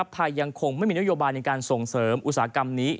ไทยยังคงไม่มีนโยบายในการส่งเสริมอุตสาหกรรมนี้